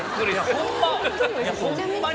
ホンマに！